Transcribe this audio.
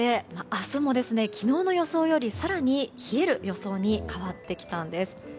明日も昨日の予想より更に冷える予想に変わってきたんです。